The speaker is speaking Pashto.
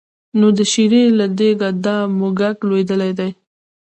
نو د شېرې له دېګه دا موږک لوېدلی دی.